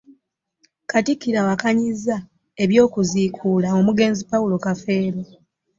Katikkiro awakanyizza eby'okuziikula omugenzi Paulo Kafeero